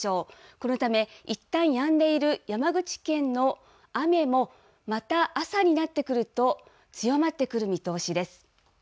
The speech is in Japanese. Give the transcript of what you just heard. このため、いったんやんでいる山口県の雨も、また朝になってくると、強まってくる見通しです。